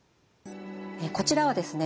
こちらはですね